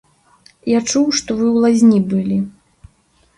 Я чуў, што вы ў лазні былі.